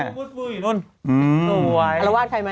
เอาไว้